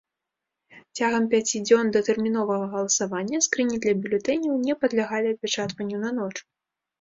Цягам пяці дзён датэрміновага галасавання скрыні для бюлетэняў не падлягалі апячатванню на ноч.